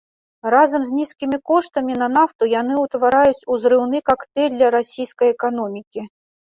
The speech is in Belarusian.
Разам з нізкімі коштамі на нафту яны ўтвараюць узрыўны кактэйль для расійскай эканомікі.